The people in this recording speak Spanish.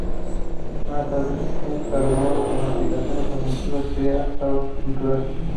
Un tablet cargado con aplicaciones ofensivas crea caos cultural.